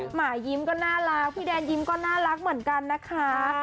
หมายิ้มก็น่ารักพี่แดนยิ้มก็น่ารักเหมือนกันนะคะ